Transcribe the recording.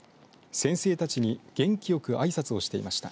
先生たちに元気よくあいさつをしていました。